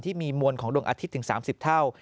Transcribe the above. มวลของดวงอาทิตย์ถึง๓๐เท่า